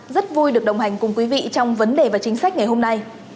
rất vui được đồng hành cùng quý vị trong vấn đề và chính sách ngày hôm nay